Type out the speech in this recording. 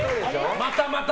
またまた。